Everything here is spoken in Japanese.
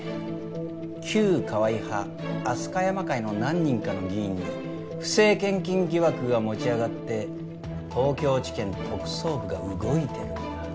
旧河合派飛鳥山会の何人かの議員に不正献金疑惑が持ち上がって東京地検特捜部が動いてるんだ。